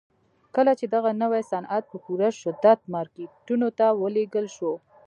کله چې دغه نوي صنعت په پوره شدت مارکيټونو ته ولېږل شو.